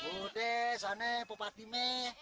udah sana bapak timme